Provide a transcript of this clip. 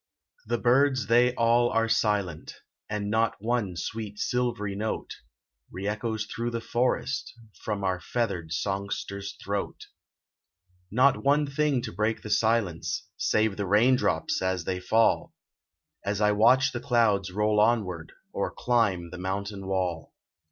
The birds they all are silent, And not one sweet silvery note, Re echoes through the forest, From our feathered songster's throat. Not one thing to break the silence, Save the rain drops as they fall, As I watch the clouds roll onward, Or climb the mountain wall.